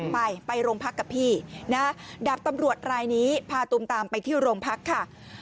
ไปไปโรงพักกับพี่นะดาบตำรวจรายนี้พาตูมตามไปที่โรงพักค่ะ